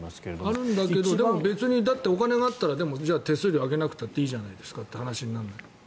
あるんだけど別にお金があったら手数料上げなくてもいいじゃないですかって話になる。